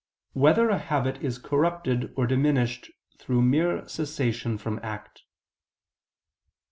3] Whether a Habit Is Corrupted or Diminished Through Mere Cessation from Act?